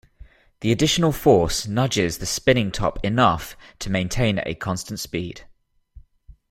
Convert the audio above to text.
The additional force nudges the spinning top enough to maintain a constant speed.